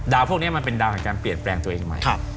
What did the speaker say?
พวกนี้มันเป็นดาวแห่งการเปลี่ยนแปลงตัวเองใหม่